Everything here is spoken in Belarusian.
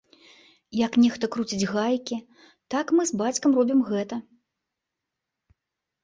Як нехта круціць гайкі, так мы з бацькам робім гэта.